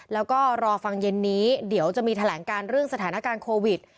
แล้วก็รอฟังเย็นนี้เดี๋ยวจะมีแถลงการเรื่องสถานการณ์โควิด